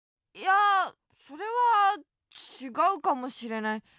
いやそれはちがうかもしれない。